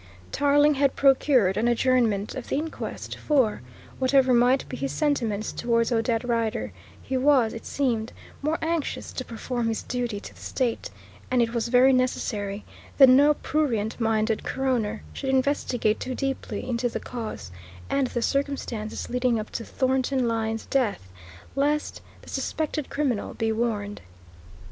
Tarling had procured an adjournment of the inquest; for, whatever might be his sentiments towards Odette Rider, he was, it seemed, more anxious to perform his duty to the State, and it was very necessary that no prurient minded coroner should investigate too deeply into the cause and the circumstances leading up to Thornton Lyne's death, lest the suspected criminal be warned.